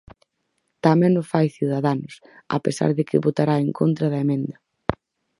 Tamén o fai Ciudadanos, a pesar de que votará en contra da emenda.